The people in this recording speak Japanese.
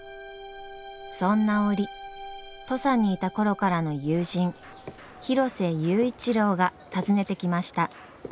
そんな折土佐にいた頃からの友人広瀬佑一郎が訪ねてきました。